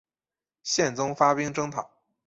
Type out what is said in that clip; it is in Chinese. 宪宗发兵征讨。